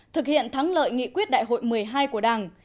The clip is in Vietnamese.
thực hiện thắng lợi nghị quyết đại hội một mươi hai của đảng